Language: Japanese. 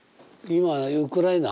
今ウクライナ？